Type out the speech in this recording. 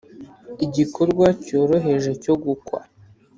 igikorwa cyoroheje cyo gukwa